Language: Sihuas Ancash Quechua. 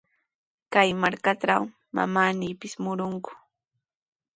Kay markatraw manami pipis murunku.